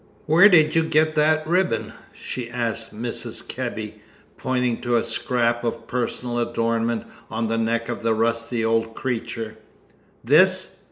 "Where did you get that ribbon?" she asked Mrs Kebby, pointing to a scrap of personal adornment on the neck of the rusty old creature. "This?"